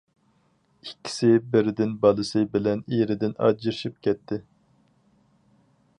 ئىككىسى بىردىن بالىسى بىلەن ئېرىدىن ئاجرىشىپ كەتتى.